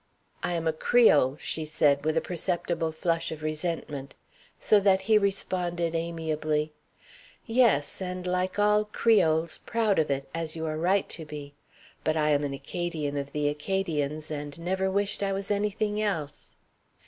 "I am a Creole," she said, with a perceptible flush of resentment. So that he responded amiably: "Yes, and, like all Creoles, proud of it, as you are right to be. But I am an Acadian of the Acadians, and never wished I was any thing else."